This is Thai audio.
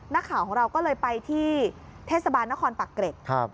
นักข่าวของเราก็เลยไปที่เทศบาลนครปักเกร็ด